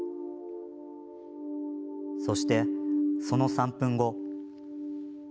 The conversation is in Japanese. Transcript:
そして、その３分後。